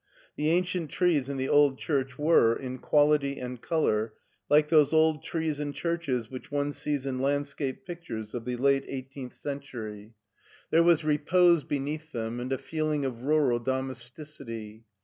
The ancient trees and the old church were, in quality and color, like those old trees and churches which one sees in landscape pictures of the late eighteenth century. 146 LEIPSIC 147 There was repose beneath them, and a feeling of rural domesticity.